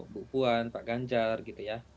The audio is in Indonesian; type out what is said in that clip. bu puan pak ganjar gitu ya